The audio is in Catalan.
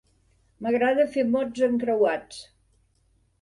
M'agrada fer mots encreuats.